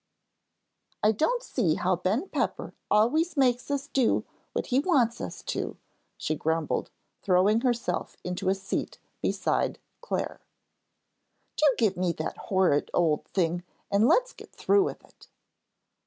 "I don't see how Ben Pepper always makes us do what he wants us to," she grumbled, throwing herself into a seat beside Clare. "Do give me that horrid old thing and let's get through with it."